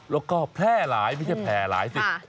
แล้วก็แพร่หลายไม่ใช่แพร่หลายสิ